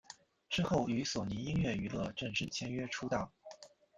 之后与索尼音乐娱乐正式签约出道。